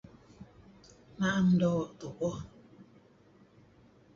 na'am do tuuh.